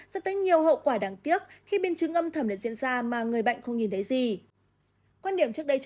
dẫn tới nhiều hậu quả đáng tiếc khi biến chứng âm thầm lại diễn ra mà người bệnh không nhìn thấy gì